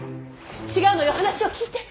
違うのよ話を聞いて！